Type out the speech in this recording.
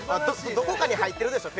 どこかに入ってるでしょ